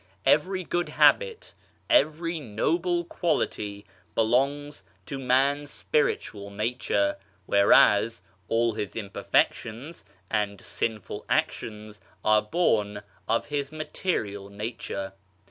Every good habit, every noble quality belongs to man's spiritual nature, whereas all his imperfections and sinful actions are born of his material nature.